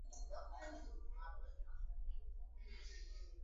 ওগুলো আমাদের হবে।